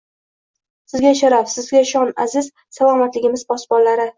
Sizga sharaf, sizga shon aziz salomatligimiz posbonlari